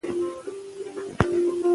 ویر نه وي.